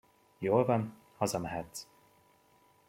Jól van, hazamehetsz!